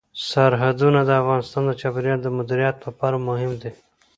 سرحدونه د افغانستان د چاپیریال د مدیریت لپاره مهم دي.